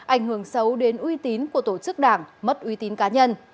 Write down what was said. ảnh hưởng xấu đến uy tín của tổ chức đảng mất uy tín cá nhân